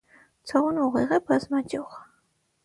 Ցողունը ուղիղ է, բազմաճյուղ։